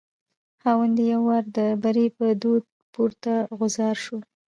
خاوند یې یو وار د بري په دود پورته غورځار شو.